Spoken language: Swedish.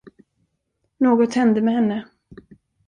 Något hände med henne.